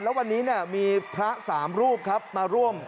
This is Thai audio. แล้ววันนี้มีพระสามรูปครับมาร่วม